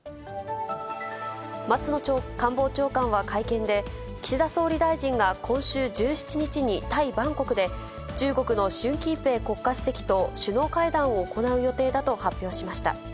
松野官房長官は会見で、岸田総理大臣が今週１７日にタイ・バンコクで、中国の習近平国家主席と首脳会談を行う予定だと発表しました。